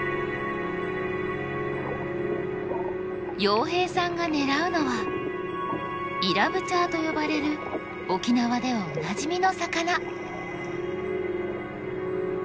洋平さんが狙うのはイラブチャーと呼ばれる沖縄ではおなじみの魚。